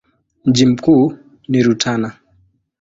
Mji mkuu ni Rutana.